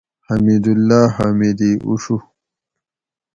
حمیداللّہ حامدی اوڛو